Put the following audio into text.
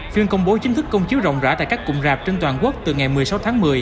phiên công bố chính thức công chiếu rộng rãi tại các cụm rạp trên toàn quốc từ ngày một mươi sáu tháng một mươi